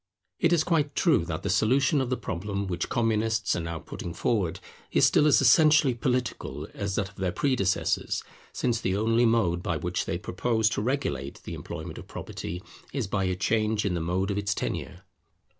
It is quite true that the solution of the problem which Communists are now putting forward, is still as essentially political as that of their predecessors; since the only mode by which they propose to regulate the employment of property, is by a change in the mode of its tenure.